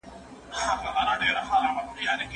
ماشوم په خپلو سره وېښتان باندې د دښتې د ګردونو ننداره کوله.